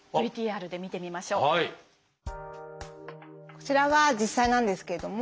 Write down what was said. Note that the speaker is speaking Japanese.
こちらは実際なんですけれども。